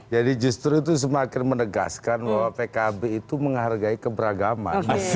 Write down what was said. jadi justru itu semakin menegaskan bahwa pkb itu menghargai keberagaman